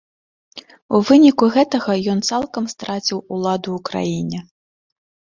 У выніку гэтага ён цалкам страціў уладу ў краіне.